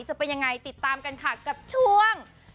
จะเป็นยังไงติดตามกันค่ะกับช่วง